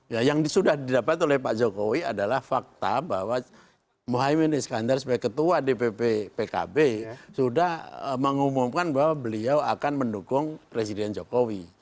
ya yang sudah didapat oleh pak jokowi adalah fakta bahwa muhammad iskandar sebagai ketua dpp pkb sudah mengumumkan bahwa beliau akan mendukung presiden jokowi